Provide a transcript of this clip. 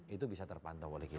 itu bisa terpantau oleh kita